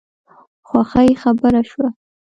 خوښي خپره شوه.